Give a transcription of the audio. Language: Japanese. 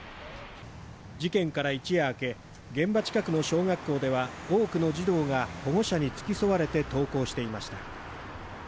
事件から一夜明け、現場近くの小学校では多くの児童が保護者に付き添われて登校していました。